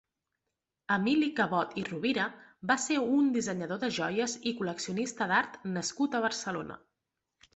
Emili Cabot i Rovira va ser un dissenyador de joies i col·leccionista d'art nascut a Barcelona.